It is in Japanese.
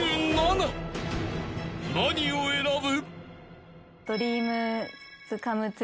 ［何を選ぶ？］